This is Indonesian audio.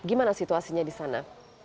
gimana situasinya di sana